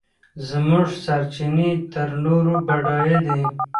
زموږ سرچينې تر نورو بډايه دي.